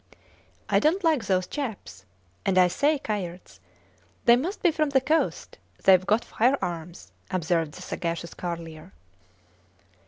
I dont like those chaps and, I say, Kayerts, they must be from the coast; theyve got firearms, observed the sagacious Carlier.